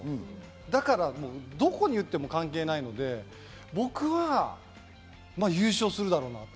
だからどこに打っても関係ないので、僕は優勝するだろうなと。